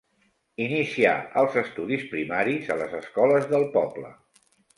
Inicià els estudis primaris a les escoles del poble.